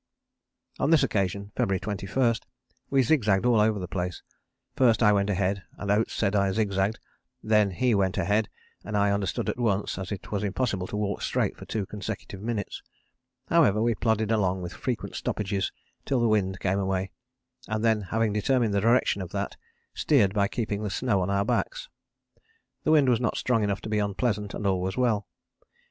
On this occasion (February 21) we zig zagged all over the place first I went ahead, and Oates said I zig zagged, then he went ahead, and I understood at once, as it was impossible to walk straight for two consecutive minutes. However, we plodded along with frequent stoppages till the wind came away, and then having determined the direction of that, steered by keeping the snow on our backs. The wind was not strong enough to be unpleasant, and all was well.